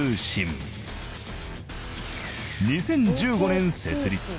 ２０１５年設立。